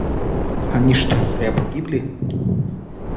Они что, зря погибли?